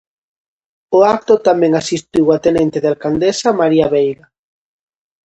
Ao acto tamén asistiu a tenente de alcaldesa, María Veiga.